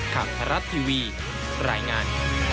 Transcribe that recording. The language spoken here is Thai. ข้างทรัพย์ทีวีรายงาน